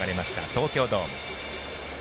東京ドーム。